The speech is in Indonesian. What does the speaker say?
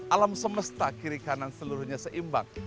alam semesta kiri kanan seluruhnya seimbang